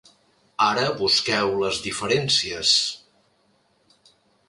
Ara busqueu les diferències….